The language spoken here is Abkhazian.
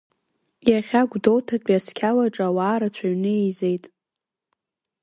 Иахьа Гәдоуҭатәи асқьалаҿы ауаа рацәаҩны еизеит.